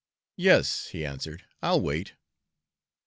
"Yes," he answered, "I'll wait."